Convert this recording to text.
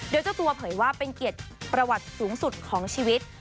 โดยเจ้าตัวเผยว่าเป็นเกียรติประวัติสูงสุดของชีวิต